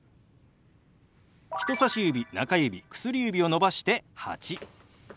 人さし指中指薬指を伸ばして「８」。